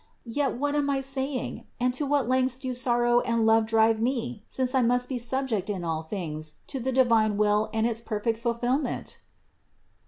Yet, what am I saying? and to what lengths do sorrow and love drive me, since I must be subject in all things to the divine will and its perfect fulfillment?"